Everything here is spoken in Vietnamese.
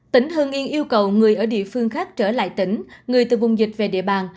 tỉnh hưng yên yêu cầu người ở địa phương khác trở lại tỉnh người từ vùng dịch về địa bàn